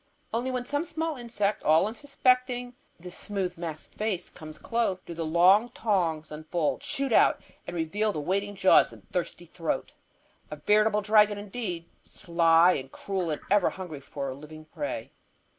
Only when some small insect, all unsuspecting this smooth masked face, comes close, do the long tongs unfold, shoot out, and reveal the waiting jaws and thirsty throat. A veritable dragon indeed; sly and cruel and ever hungry for living prey.